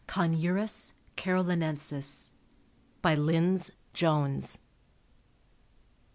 (Conurus carolinensis.) BY LYNDS JONES.